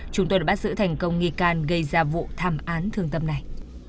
chúng tôi đã bắt giữ thành công nghi can gây ra vụ thảm án thương tâm này